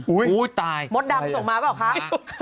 มดดำส่งมาหรือเปล่าครับ